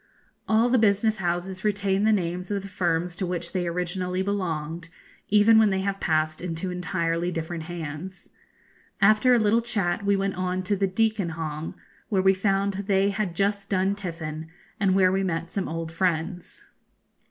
All the business houses retain the names of the firms to which they originally belonged, even when they have passed into entirely different hands. After a little chat we went on to the Deacon Hong, where we found they had just done tiffin, and where we met some old friends.